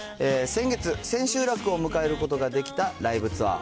先月、千秋楽を迎えることができたライブツアー。